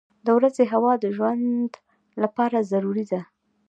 • د ورځې هوا د ژوند لپاره ضروري ده.